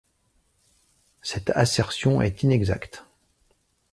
Cette assertion est inexacte.